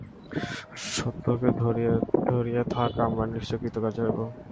সত্যকে ধরিয়া থাক, আমরা নিশ্চয়ই কৃতকার্য হইব।